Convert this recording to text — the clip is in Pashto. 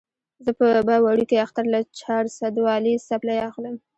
زه به وړوکي اختر له چارسدوالې څپلۍ اخلم